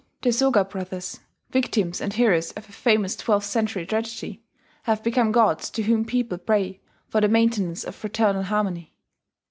The Soga brothers, victims and heroes of a famous twelfth century tragedy, have become gods to whom people pray for the maintenance of fraternal harmony.